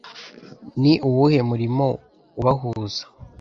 Ni uwuhe murimo ubahuza